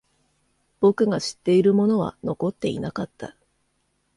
僕が知っているものは残っていなかった。